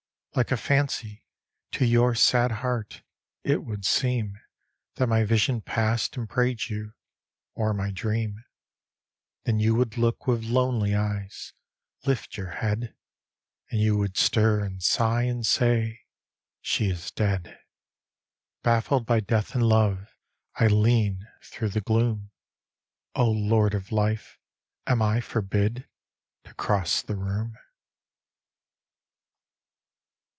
Like a fancy — to your ssd heart It would seem That my vision passed and prayed you, Or my drcaoL Then you would look with lonely eyes — Lift your head — And you would stir and sigh, and say, " She is dead." Baffled by death and love, I lean Through the gloom. O Lord of life! Am I forbid To cross the room?